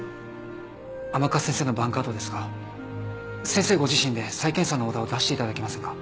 甘春先生のバンカートですが先生ご自身で再検査のオーダーを出していただけませんか？